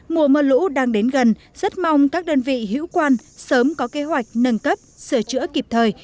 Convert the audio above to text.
mùa mưa lũ đang đến gần rất mong các đơn vị hữu quan sớm có kế hoạch nâng cấp sửa chữa kịp thời